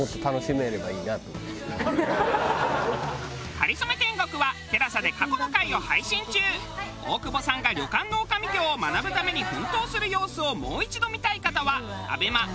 『かりそめ天国』は大久保さんが旅館の女将業を学ぶために奮闘する様子をもう一度見たい方はＡＢＥＭＡＴＶｅｒで。